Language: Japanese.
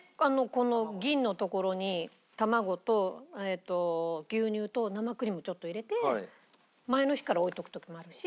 この銀のところに卵と牛乳と生クリームちょっと入れて前の日から置いとく時もあるし。